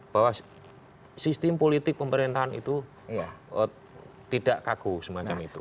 bahwa sistem politik pemerintahan itu tidak kaku semacam itu